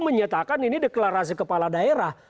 menyatakan ini deklarasi kepala daerah